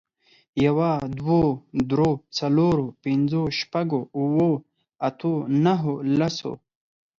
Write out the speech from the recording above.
يوه، دوو، درو، څلورو، پنځو، شپږو، اوو، اتو، نهو، لسو